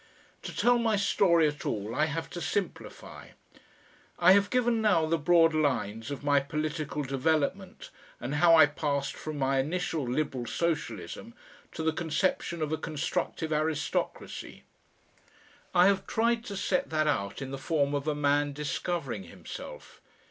To tell my story at all I have to simplify. I have given now the broad lines of my political development, and how I passed from my initial liberal socialism to the conception of a constructive aristocracy. I have tried to set that out in the form of a man discovering himself.